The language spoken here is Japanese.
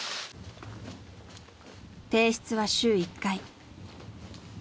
［提出は週１回］